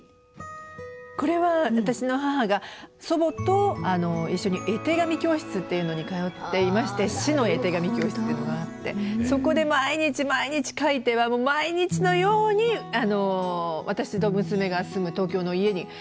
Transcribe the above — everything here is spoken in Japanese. これは私の母が祖母と一緒に絵手紙教室っていうのに通っていまして市の絵手紙教室っていうのがあってそこで毎日毎日描いては毎日のように私と娘が住む東京の家に送られてきたんですよね。